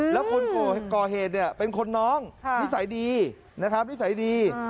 แล้วคนก่อเหตุเนี่ยเป็นคนน้องนิสัยดีนะครับนิสัยดี